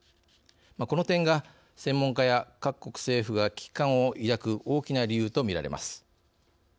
この点が、専門家や各国政府が危機感を抱く大きな理由とみられます。